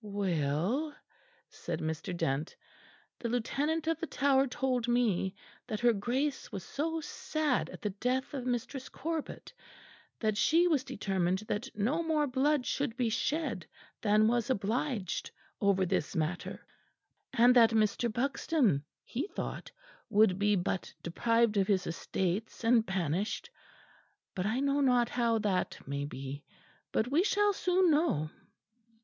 "Well," said Mr. Dent, "the Lieutenant of the Tower told me that her Grace was so sad at the death of Mistress Corbet that she was determined that no more blood should be shed than was obliged over this matter; and that Mr. Buxton, he thought, would be but deprived of his estates and banished; but I know not how that may be. But we shall soon know."